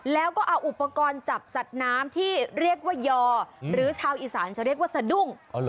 แล้วก็เอาอุปกรณ์จับสัตว์น้ำที่เรียกว่ายอหรือชาวอีสานจะเรียกว่าสะดุ้ง